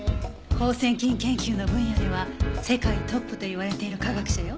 放線菌研究の分野では世界トップと言われている科学者よ。